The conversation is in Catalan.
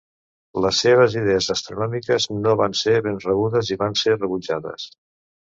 Les seves idees astronòmiques no van ser ben rebudes i van ser rebutjades.